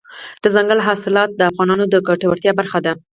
دځنګل حاصلات د افغانانو د ګټورتیا برخه ده.